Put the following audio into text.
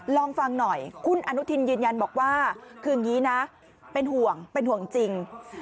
ลองฟังหน่อยคุณอนุทินยืนยันบอกว่าคืออย่างนี้นะเป็นห่วงเป็นห่วงจริง